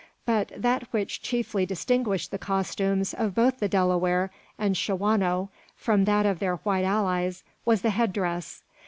But that which chiefly distinguished the costumes of both the Delaware and Shawano from that of their white allies was the head dress.